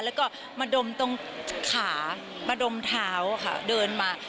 แล้วก็มาดมตรงขามาดมเท้าค่ะเดินมา